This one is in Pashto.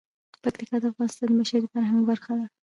پکتیکا د افغانستان د بشري فرهنګ برخه ده.